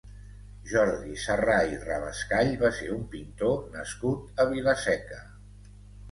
Jordi Sarrà i Rabascall va ser un pintor nascut a Vila-seca.